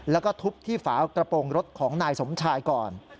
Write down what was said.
แล้วก็ทุบที่ฝากระโปรงรถของนายสมชายก่อน